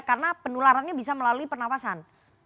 karena penularannya bisa melalui pernafasan